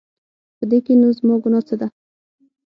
په دې کې نو زما ګناه څه ده؟